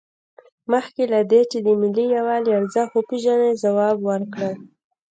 مخکې له دې چې د ملي یووالي ارزښت وپیژنئ ځواب ورکړئ.